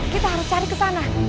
kita harus cari ke sana